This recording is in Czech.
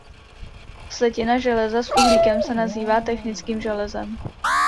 Slitina železa s uhlíkem se nazývá technickým železem.